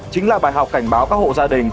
chính là bài học cảnh báo các hộ gia đình